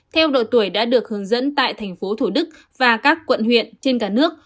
theo đội tuổi đã được hướng dẫn tại tp thủ đức và các quận huyện trên cả nước